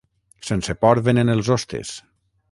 Sense por venen els hostes.